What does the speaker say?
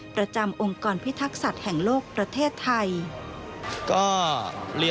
ประจำองค์กรพิทักษัตริย์แห่งโลกประเทศไทย